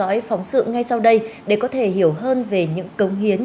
hãy phóng sự ngay sau đây để có thể hiểu hơn về những cống hiến